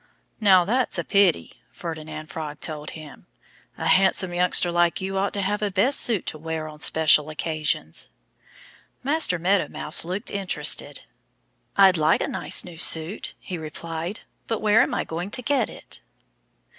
"Now, that's a pity," Ferdinand Frog told him. "A handsome youngster like you ought to have a best suit to wear on special occasions." Master Meadow Mouse looked interested. "I'd like a nice new suit," he replied. "But where am I going to get it?"